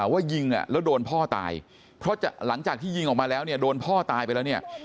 ว่ายิงแล้วโดนพ่อตายเพราะหลังจากที่ยิงออกมาแล้วเนี่ยโดนพ่อตายไปแล้วเนี่ย